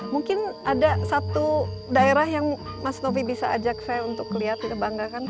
mungkin ada satu daerah yang mas novi bisa ajak saya untuk lihat kita banggakan